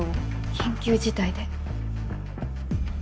緊急事態で。